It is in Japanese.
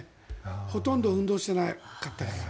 ほとんど運動してなかったから。